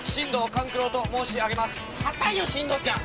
固いよ進藤ちゃん。